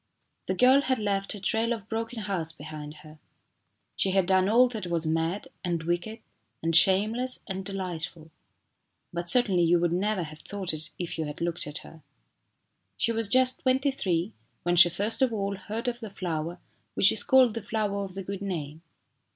The girl had left a trail of broken hearts behind her. She had done all that was mad, and wicked, and shameless, and delightful. But certainly you would never have thought it if you had looked at her. She was just twenty three when she first of all heard of the flower which is called the flower of the good name.